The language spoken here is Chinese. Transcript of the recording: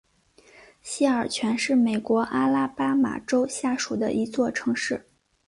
西尔泉是美国阿拉巴马州下属的一座城市。